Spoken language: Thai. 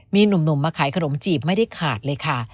มีหนุ่มมาขายขนมจีบไม่ได้ขาดเลยค่ะ